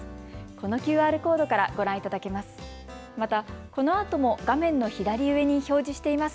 このＱＲコードからご覧いただけます。